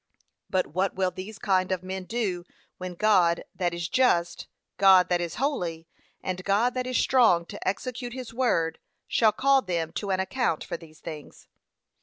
But what will these kind of men do, when God that is just, God that is holy, and God that is strong to execute his word, shall call them to an account for these things?